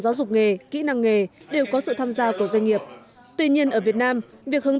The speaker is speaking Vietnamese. giáo dục nghề kỹ năng nghề đều có sự tham gia của doanh nghiệp tuy nhiên ở việt nam việc hướng